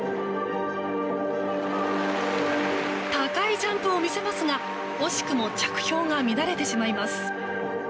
高いジャンプを見せますが惜しくも着氷が乱れてしまいます。